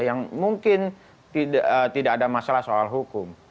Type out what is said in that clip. yang mungkin tidak ada masalah soal hukum